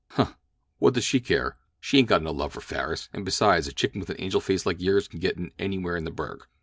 "Huh! What does she care? She ain't got no love for Farris, and besides a chicken with an angel face like yours can get in anywhere in the burg.